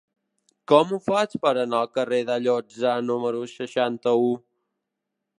Com ho faig per anar al carrer d'Alloza número seixanta-u?